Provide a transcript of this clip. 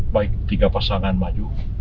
baik tiga pasangan maju